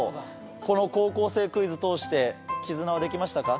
この『高校生クイズ』通して絆は出来ましたか？